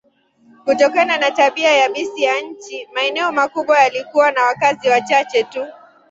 Kutokana na tabia yabisi ya nchi, maeneo makubwa yalikuwa na wakazi wachache tu.